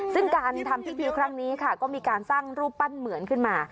ซึ่งการทำพิธีครั้งนี้ค่ะก็มีการสร้างรูปปั้นเหมือนขึ้นมา